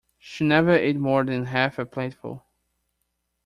She never ate more than half a plateful